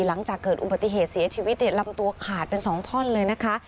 หลังจากเกิดอุบัติเหตุเสียชีวิตลำตัวขาดเป็น๒ท่อนเลยนะคะ